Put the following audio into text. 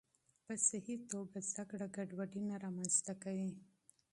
معیاري زده کړه ګډوډي نه رامنځته کوي.